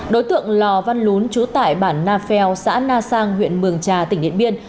đối tượng lò văn lún trú tại bản na phèo xã na sang huyện mường trà tỉnh điện biên